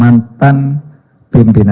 dan yang ketiga